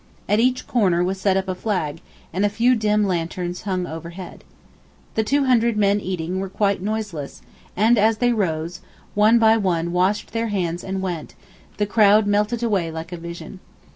At each corner was set up a flag, and a few dim lanterns hung overhead. The 200 men eating were quite noiseless—and as they rose, one by one washed their hands and went, the crowd melted away like a vision.